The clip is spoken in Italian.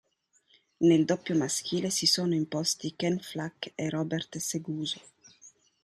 Nel doppio maschile si sono imposti Ken Flach e Robert Seguso.